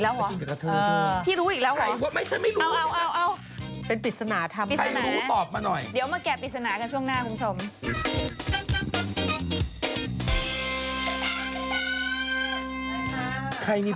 โอเคใครมีผัวมา๒๑ปี